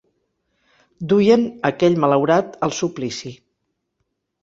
Duien aquell malaurat al suplici.